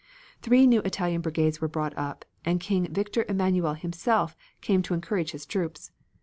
Three new Italian brigades were brought up, and King Victor Emanuel himself came to encourage his troops.